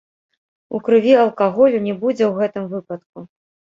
У крыві алкаголю не будзе ў гэтым выпадку.